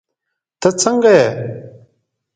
تہ سنګه یی